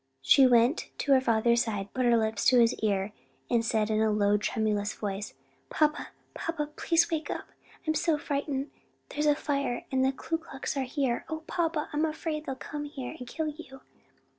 She went to her father's side, put her lips to his ear, and said in low tremulous tones, "Papa, papa, please wake up, I'm so frightened; there's a fire and the Ku Klux are there. O papa, I'm afraid they'll come here and kill you!"